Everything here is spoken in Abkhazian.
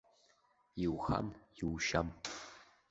Иухам, иушьам.